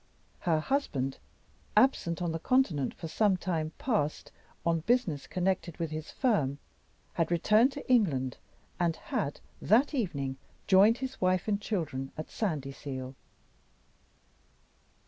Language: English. Her husband, absent on the Continent for some time past, on business connected with his firm, had returned to England, and had that evening joined his wife and children at Sandyseal.